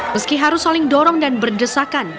meski harus saling dorong dan berdesakan